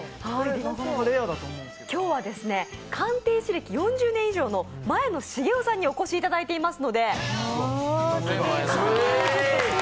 今日は鑑定士歴４０年以上の前野重雄さんにお越しいただいています。